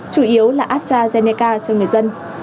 chủ yếu là astrazeneca cho người dân